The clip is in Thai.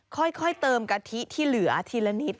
ค่อยเติมกะทิที่เหลือทีละนิด